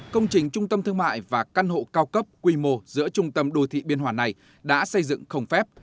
công trình trung tâm thương mại và căn hộ cao cấp quy mô giữa trung tâm đô thị biên hòa này đã xây dựng không phép